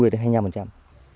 hai mươi đến hai mươi năm